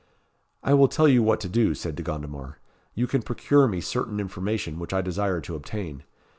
"I will tell you what to do," said De Gondomar. "You can procure me certain information which I desire to obtain.